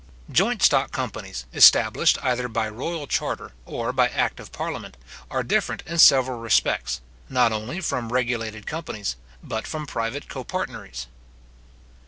Joint stock companies, established either by royal charter, or by act of parliament, are different in several respects, not only from regulated companies, but from private copartneries.